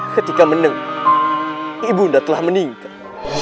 ketika menengah ibu nda telah meninggal